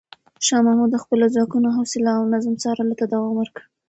شاه محمود د خپلو ځواکونو حوصله او نظم څارلو ته دوام ورکړ.